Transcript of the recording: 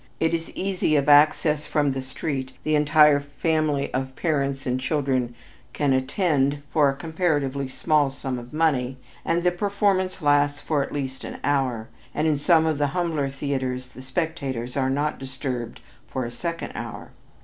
It is easy of access from the street the entire family of parents and children can attend for a comparatively small sum of money and the performance lasts for at least an hour; and, in some of the humbler theaters, the spectators are not disturbed for a second hour.